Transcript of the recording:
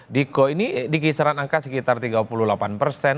diko ini di kisaran angka sekitar tiga puluh delapan persen